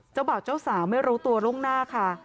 บ่าวเจ้าสาวไม่รู้ตัวล่วงหน้าค่ะ